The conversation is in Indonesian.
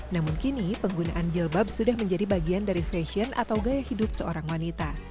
namun kini penggunaan jilbab sudah menjadi bagian dari fashion atau gaya hidup seorang wanita